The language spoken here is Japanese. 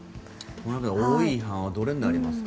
多い違反はどれになりますか？